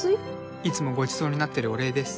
いつもごちそうになってるお礼